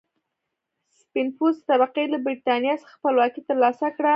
سپین پوستې طبقې له برېټانیا څخه خپلواکي تر لاسه کړه.